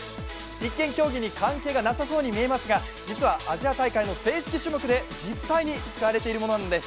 一見競技に関係がなさそうに見えますが、実際アジア大会の正式種目で実際に使われているものなんです。